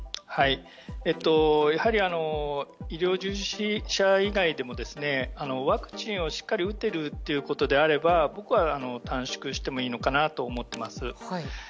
やはり、医療従事者以外でもワクチンをしっかり打ってるということであれば僕は短縮してもいいのかなと思っています。